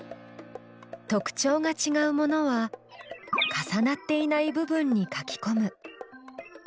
特徴がちがうものは重なっていない部分に書きこむ。